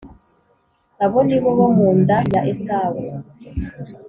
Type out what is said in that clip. Abo ni bo bo mu nda ya Esawu .